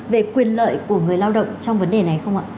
về quyền lợi của người lao động trong vấn đề này không ạ